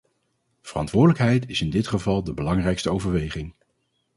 Verantwoordelijkheid is in dit geval de belangrijkste overweging.